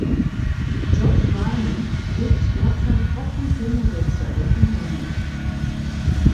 Geoff Ryman lebt derzeit offen homosexuell in London.